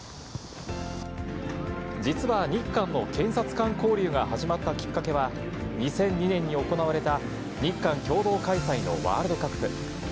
実は日韓の検察官交流が始まったきっかけは、２００２年に行われた日韓共同開催のワールドカップ。